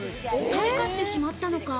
退化してしまったのか？